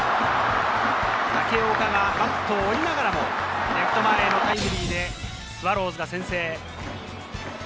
武岡がバットを折りながらもレフト前へのタイムリーでスワローズが先制。